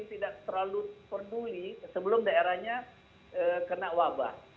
tidak terlalu peduli sebelum daerahnya kena wabah